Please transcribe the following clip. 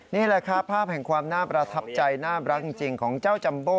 นี่แหละครับภาพแห่งความน่าประทับใจน่ารักจริงของเจ้าจัมโบ